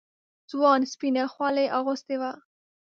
ځوان سپينه خولۍ اغوستې وه.